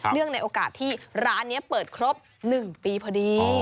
ในโอกาสที่ร้านนี้เปิดครบ๑ปีพอดี